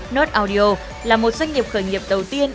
north audio là một doanh nghiệp khởi nghiệp đầu tiên